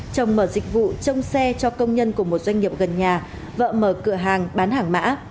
chồng mở dịch vụ trông xe cho công nhân của một doanh nghiệp gần nhà vợ mở cửa hàng bán hàng mã